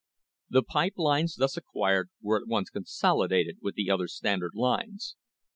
The pipe lines thus acquired were at once consolidated with the other Standard lines.